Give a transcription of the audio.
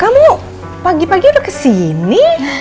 kamu pagi pagi udah kesini